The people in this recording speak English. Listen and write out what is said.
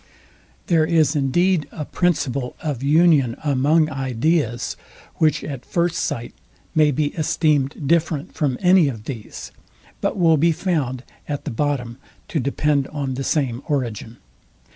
There is indeed a principle of union among ideas, which at first sight may be esteemed different from any of these, but will be found at the bottom to depend on the same origin.